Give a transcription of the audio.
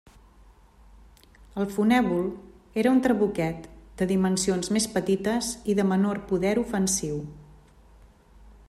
El fonèvol era un trabuquet de dimensions més petites i de menor poder ofensiu.